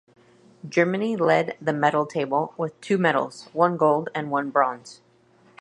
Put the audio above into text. Germany led the medal table, with two medals, one gold and one bronze.